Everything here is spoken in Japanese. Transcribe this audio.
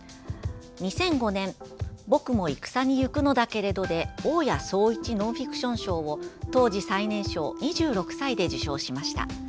２００５年「ぼくもいくさに征くのだけれど」で大宅壮一ノンフィクション賞を当時最年少２６歳で受賞しました。